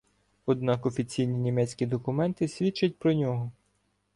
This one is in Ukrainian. Однак офіційні німецькі документи свідчать проти нього.